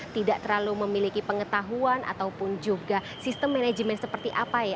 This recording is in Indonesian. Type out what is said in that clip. tidak terlalu memiliki pengetahuan ataupun juga sistem manajemen seperti apa ya